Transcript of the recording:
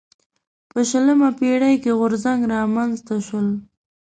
په شلمه پېړۍ کې غورځنګ رامنځته شول.